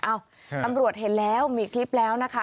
เอ้าตำรวจเห็นแล้วมีคลิปแล้วนะคะ